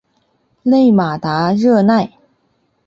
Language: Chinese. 勒马达热奈。